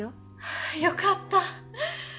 ああよかった！